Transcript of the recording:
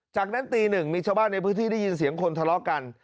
จากนั้นตีหนึ่งมีชาวบ้านในพื้นที่ได้ยินเสียงคนทะเลาะกัน